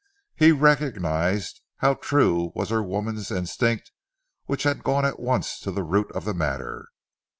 He recognised how true was her woman's instinct which had gone at once to the root of the matter.